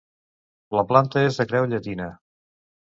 La planta és de creu llatina.